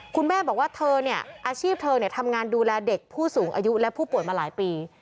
คุณแม่บอกว่าเธอเนี่ยอาชีพเธอทำงานดูแลเด็กผู้สูงอายุและผู้ป่วยมาหลายปี